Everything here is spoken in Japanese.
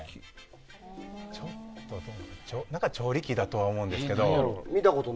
ちょっと、何か調理器だとは思うんですけど。